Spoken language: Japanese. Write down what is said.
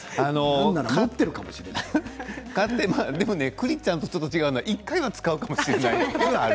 栗ちゃんとちょっと違うのは１回は使うかもしれないというのはある。